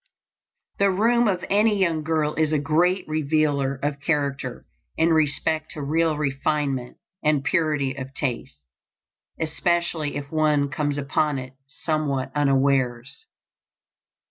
The room of any young girl is a great revealer of character in respect to real refinement and purity of taste, especially if one comes upon it somewhat unawares.